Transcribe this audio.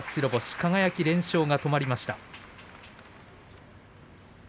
輝、連勝が止まりました。